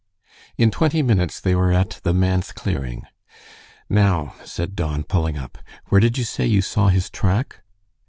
In twenty minutes they were at the manse clearing. "Now," said Don, pulling up, "where did you say you saw his track?"